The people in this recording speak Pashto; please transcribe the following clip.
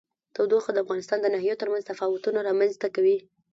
تودوخه د افغانستان د ناحیو ترمنځ تفاوتونه رامنځ ته کوي.